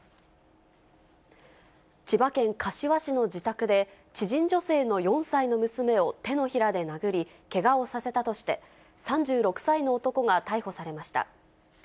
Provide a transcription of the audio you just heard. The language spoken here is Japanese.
千葉県柏市の自宅で、知人女性の４歳の娘を手のひらで殴り、けがをさせたとして、３６歳の男が逮捕されました。